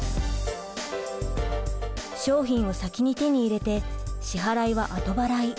商品を先に手に入れて支払いは後払い。